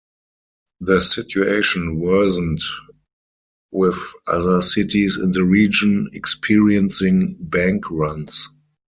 The situation worsened with other cities in the region experiencing bank runs.